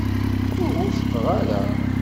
Ur wufqeɣ ara.